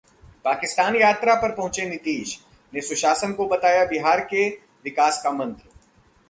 पाकिस्तान यात्रा पर पहुंचे नीतीश ने सुशासन को बताया बिहार के विकास का मंत्र